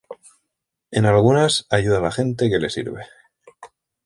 En algunas, ayuda a la gente que le sirve.